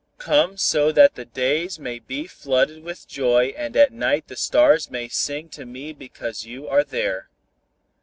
Come so that the days may be flooded with joy and at night the stars may sing to me because you are there.